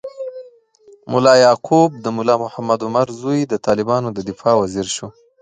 ملا یعقوب، د ملا محمد عمر زوی، د طالبانو د دفاع وزیر شو.